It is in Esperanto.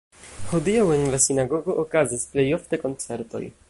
Hodiaŭ en la sinagogo okazas plej ofte koncertoj.